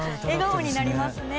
笑顔になりますね。